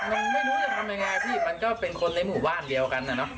ไม่รู้จะทำยังไงมันก็เป็นคนในหมู่บ้านเดียวกัน